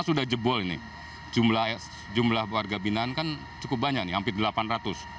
karena sudah jebol ini jumlah warga binaan kan cukup banyak nih hampir delapan ratus tujuh ratus sembilan puluh